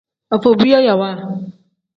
Afobiyayaawa.